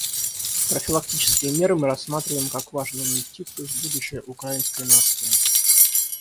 Профилактические меры мы рассматриваем как важную инвестицию в будущее украинской нации.